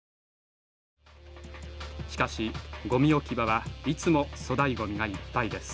しかしごみ置き場はいつも粗大ごみがいっぱいです。